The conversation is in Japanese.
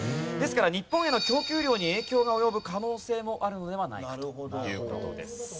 ですから日本への供給量に影響が及ぶ可能性もあるのではないかという事です。